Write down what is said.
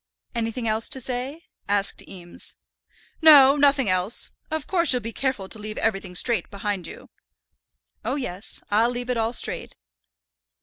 "Anything else to say?" asked Eames. "No, nothing else. Of course you'll be careful to leave everything straight behind you." "Oh, yes; I'll leave it all straight."